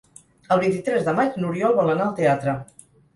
El vint-i-tres de maig n'Oriol vol anar al teatre.